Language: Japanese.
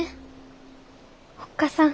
おっ母さん。